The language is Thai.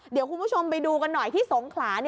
เดี๋ยวคุณผู้ชมไปดูกันหน่อยที่สงขลา